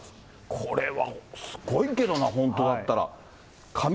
これはすごいけどな、本当だったら。